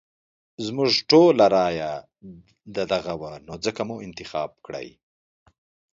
زموږ ټولو رايه ددغه وه نو ځکه مو انتخاب کړی.